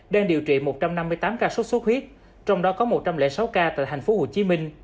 đều trị một trăm năm mươi tám ca sốt sốt huyết trong đó có một trăm linh sáu ca tại tp hcm